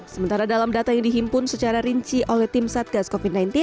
sementara dalam data yang dihimpun secara rinci oleh tim satgas covid sembilan belas